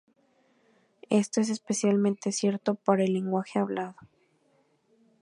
Esto es especialmente cierto para el lenguaje hablado.